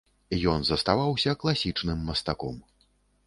Ён заставаўся класічным мастаком.